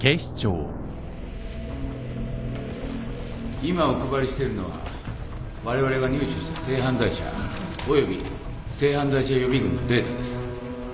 今お配りしてるのはわれわれが入手した性犯罪者および性犯罪者予備軍のデータです。